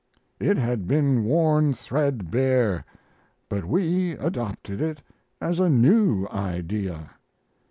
It had been worn threadbare; but we adopted it as a new idea.